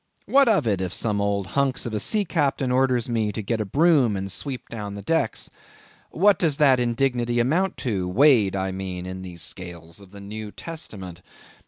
What of it, if some old hunks of a sea captain orders me to get a broom and sweep down the decks? What does that indignity amount to, weighed, I mean, in the scales of the New Testament?